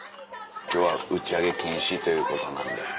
今日は打ち上げ禁止ということなんで。